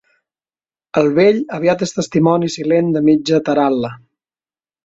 El vell aviat és testimoni silent de mitja taral·la.